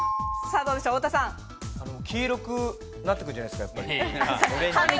黄色くなってくるんじゃないですか。